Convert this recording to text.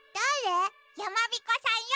やまびこさんよ。